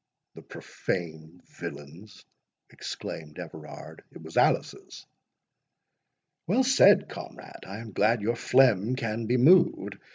"The profane villains!" exclaimed Everard, "it was Alice's." "Well said, comrade—I am glad your phlegm can be moved.